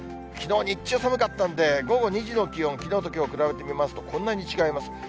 きのう日中寒かったんで、午後２時の気温、きのうときょう比べてみますと、こんなに違います。